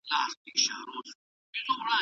د بادار تر چړې لاندي یې انجام وي